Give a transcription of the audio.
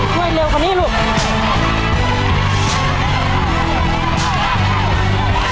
ด้วยเร็วขนี้ลูก